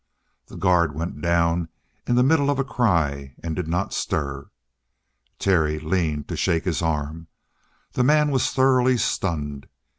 The guard went down in the middle of a cry and did not stir. Terry leaned to shake his arm the man was thoroughly stunned.